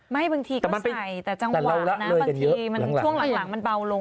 บางทีก็ใส่แต่จังหวะนะบางทีมันช่วงหลังมันเบาลง